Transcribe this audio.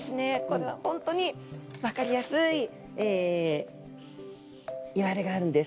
これは本当に分かりやすいいわれがあるんです。